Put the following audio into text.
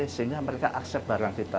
sehingga mereka akses barang kita